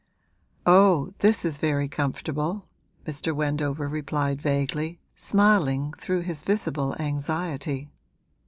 'Oh, this is very comfortable,' Mr. Wendover replied vaguely, smiling through his visible anxiety.